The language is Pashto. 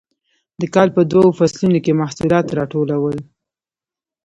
د کال په دوو فصلونو کې محصولات راټولول.